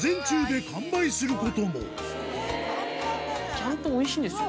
ちゃんとおいしいんですよ